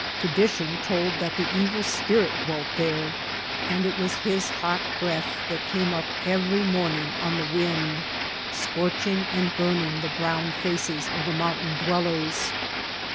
Tradition told that the Evil Spirit dwelt there, and it was his hot breath that came np every morning on the wind, scorching and burning the brown faces of the mountain dwellers